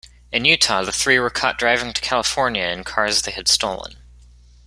In Utah, the three were caught driving to California in cars they had stolen.